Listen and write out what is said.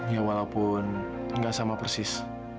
ya walaupun nggak sama persis